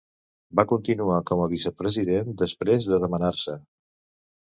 Va continuar com a vicepresident després de demanar-se.